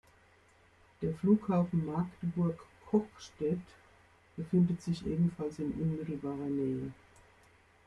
Der Flughafen Magdeburg-Cochstedt befindet sich ebenfalls in unmittelbarer Nähe.